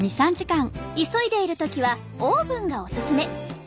急いでいる時はオーブンがおすすめ。